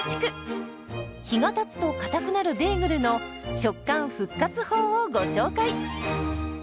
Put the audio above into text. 日がたつとかたくなるベーグルの食感復活法をご紹介。